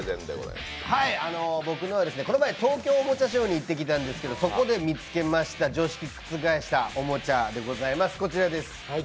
僕は、この前、東京おもちゃショーに行ってきたんですけどそこで見つけました、常識を覆したおもちゃでございます。